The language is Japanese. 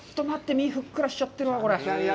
身がふっくらしちゃってるわ！